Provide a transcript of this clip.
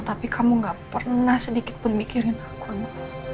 tapi kamu gak pernah sedikit pun mikirin aku